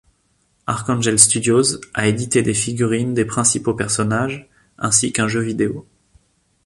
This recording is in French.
Archangel Studios a édité des figurines des principaux personnages, ainsi qu'un jeu vidéo.